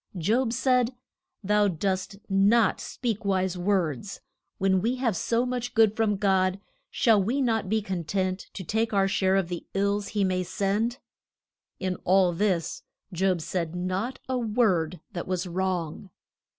Job said, Thou dost not speak wise words. When we have so much good from God, shall we not be con tent to take our share of the ills he may send? In all this Job said not a word that was wrong.